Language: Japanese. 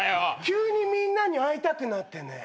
急にみんなに会いたくなってね。